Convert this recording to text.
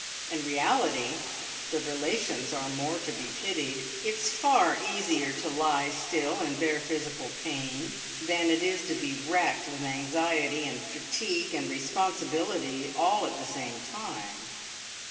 In reality, the relations are more to be pitied. It's far easier to lie still and bear physical pain than it is to be wracked with anxiety, and fatigue, and responsibility all at the same time."